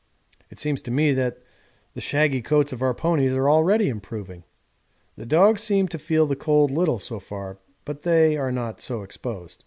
It seems to me that the shaggy coats of our ponies are already improving. The dogs seem to feel the cold little so far, but they are not so exposed.